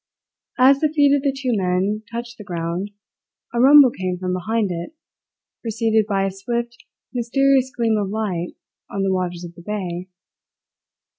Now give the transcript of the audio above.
As the feet of the two men touched the ground, a rumble came from behind it, preceded by a swift, mysterious gleam of light on the waters of the bay.